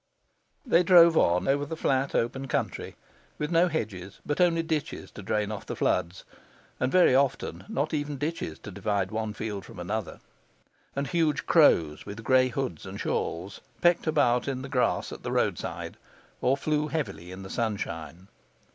They drove on over the flat open country, with no hedges, but only ditches to drain off the floods, and very often not even ditches to divide one field from another. And huge crows, with gray hoods and shawls, pecked about in the grass at the roadside or flew heavily in the sunshine.